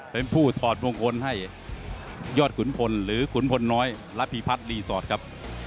เป็นผู้ถอดมงคลให้ยอดขุนพลหรือขุนพลน้อยระพีพัฒน์รีสอร์ทครับ